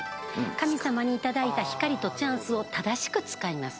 神様に頂いた光とチャンスを正しく使いますと。